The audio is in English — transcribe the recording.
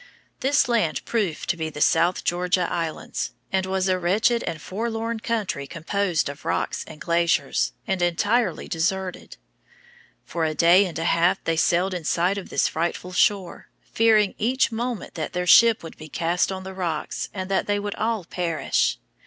This land proved to be the South Georgia Islands, and was a wretched and forlorn country composed of rocks and glaciers, and entirely deserted. For a day and a half they sailed in sight of this frightful shore, fearing each moment that their ship would be cast on the rocks and that they would all perish.